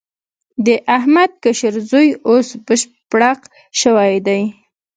د احمد کشر زوی اوس بشپړک شوی دی.